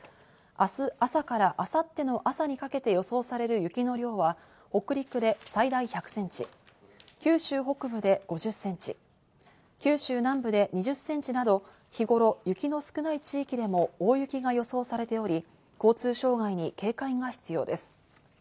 明日朝から明後日の朝にかけて予想される雪の量は北陸で最大１００センチ、九州北部で５０センチ、九州南部で２０センチなど、日頃、雪の少ない地域でも大雪が予想されており、交通障害に警戒が必要です。